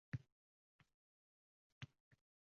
Keyin o‘ksib-o‘ksib — to‘yib yig‘labsan.